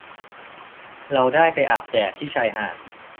เราได้ไปอาบแดดที่ชายหาด